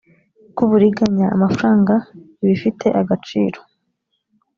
bw uburiganya amafaranga ibifite agaciro